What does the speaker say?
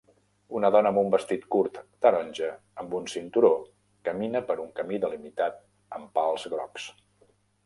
Una dona amb un vestit curt taronja amb un cinturó camina per un camí delimitat amb pals grocs